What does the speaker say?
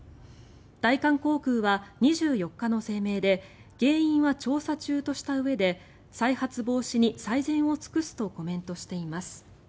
大韓航空は２４日の声明で原因は調査中としたうえで再発防止に最善を尽くすとコメントしています。